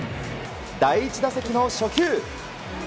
第１打席の初球。